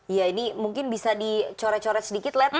iya ini mungkin bisa dicoret coret sedikit let